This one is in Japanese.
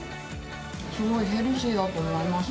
すごいヘルシーだと思います。